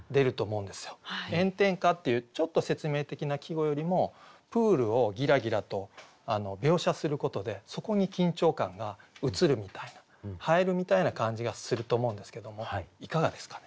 「炎天下」っていうちょっと説明的な季語よりもプールを「ぎらぎら」と描写することでそこに緊張感が映るみたいな映えるみたいな感じがすると思うんですけどもいかがですかね？